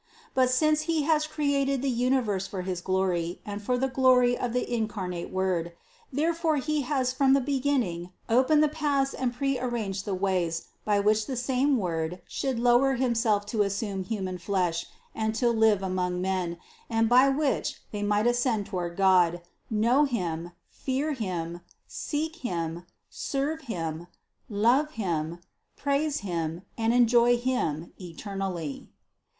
But since He has created the universe for his glory and for the glory of the incarnate Word, therefore He has from the beginning opened the paths and prearranged the ways by which the same Word should lower Himself to as sume human flesh and to live among men, and by which they might ascend toward God, know Him, fear Him, seek Him, serve Him, love Him, praise Him and enjoy Him eternally.